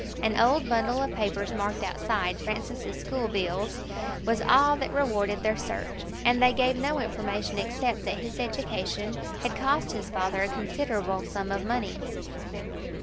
An old bundle of papers marked outside, "Francis' school bills, &c." was all that rewarded their search, and they gave no information except that his education had cost his father a considerable sum of money.